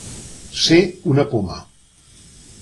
Ser una poma.